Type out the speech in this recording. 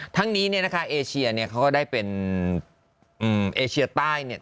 ทั้งนี้เนี่ยนะคะเอเชียเนี่ยเขาก็ได้เป็นเอเชียใต้เนี่ย